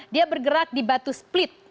dia bergerak di batu split